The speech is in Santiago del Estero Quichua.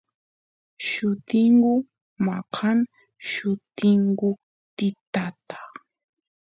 llutingu maqan llutingutitata